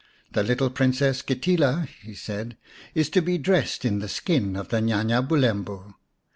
" The little Princess Kitila," he said, " is to be dressed in the skin of the Nya nya Bulembu.